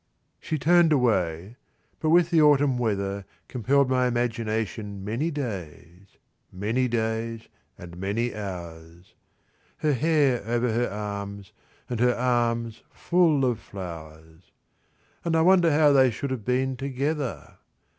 She turned away, but with the autumn weather Compelled my imagination many days, Many days and many hours: Her hair over her arms and her arms full of flowers. And I wonder how they should have been together!